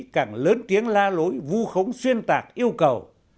càng lớn tiếng la lối vu khống xuyên tạc yêu cầu